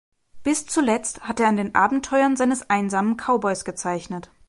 Bis zuletzt hat er an den Abenteuern seines einsamen Cowboys gezeichnet.